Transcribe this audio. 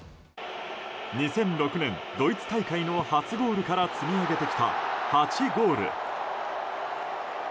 ２００６年、ドイツ大会の初ゴールから積み上げてきた８ゴール。